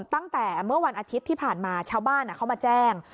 ตั้งแต่เมื่อวันอาทิตย์ที่ผ่านมาชาวบ้านเขามาแจ้ง